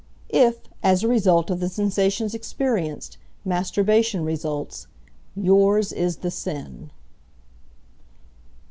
If, as a result of the sensations experienced, masturbation results, yours is the sin.